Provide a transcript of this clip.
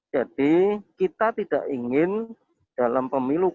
jadi kita tidak ingin dalam pemilu kami